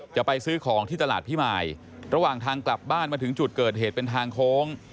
จะไปซื้อของที่ตลาดพิมายระหว่างทางกลับบ้านมาถึงจุดเกิดเหตุเป็นทางโค้ง